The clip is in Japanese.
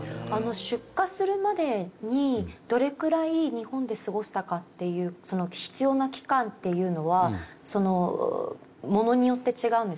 出荷するまでにどれくらい日本で過ごしたかっていう必要な期間っていうのはものによって違うんですか？